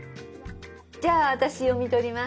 じゃあ私読み取ります。